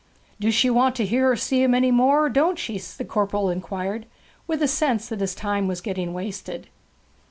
'Do she want to hear or see any more, or don't she?' the corporal inquired, with a sense that his time was getting wasted.